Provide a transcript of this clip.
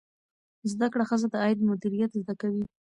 زده کړه ښځه د عاید مدیریت زده کوي.